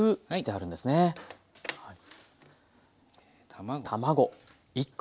はい。